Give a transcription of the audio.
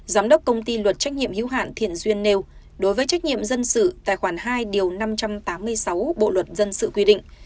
giám đốc công ty luật trách nhiệm hữu hạn thiện duyên nêu đối với trách nhiệm dân sự tài khoản hai điều năm trăm tám mươi sáu bộ luật dân sự quy định